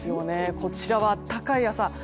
こちらは暖かい朝。